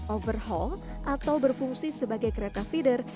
overhaul atau berfungsi sebagai kereta feeder